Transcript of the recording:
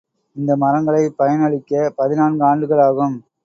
இந்த மரங்களை பயனளிக்கப் பதினான்கு ஆண்டுகள் ஆகும்.